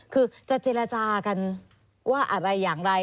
คือจะเจรจากันว่าอะไรอย่างไร